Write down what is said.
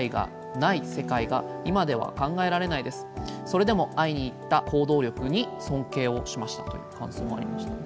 「それでも会いに行った行動力に尊敬をしました」という感想もありましたね。